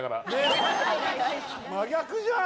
真逆じゃん！